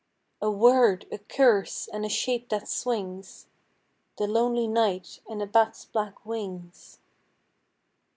A word, a curse, and a shape that swings; The lonely night and a bat's black wings....